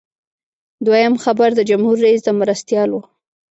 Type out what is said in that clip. دویم خبر د جمهور رئیس د مرستیال و.